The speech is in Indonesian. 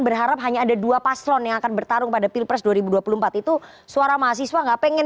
berharap hanya ada dua paslon yang akan bertarung pada pilpres dua ribu dua puluh empat itu suara mahasiswa nggak pengen